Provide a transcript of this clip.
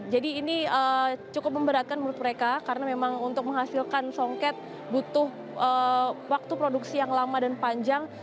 jadi ini cukup memberatkan menurut mereka karena memang untuk menghasilkan songket butuh waktu produksi yang lama dan panjang